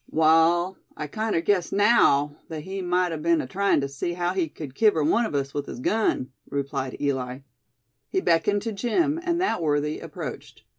"Wall, I kinder guess naow thet he mout a be'n a tryin' to see how he cud kiver wun o' us with his gun!" replied Eli. He beckoned to Jim, and that worthy approached.